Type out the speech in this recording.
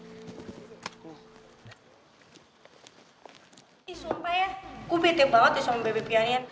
gue bete banget deh sama baby pianian